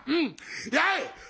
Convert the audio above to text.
やい！